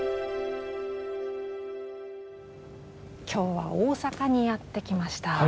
今日は大阪にやって来ました。